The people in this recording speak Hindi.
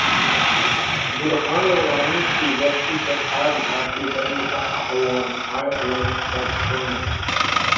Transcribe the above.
बुरहान वानी की बरसी पर आज घाटी बंद का आह्वान, हाई अलर्ट पर सेना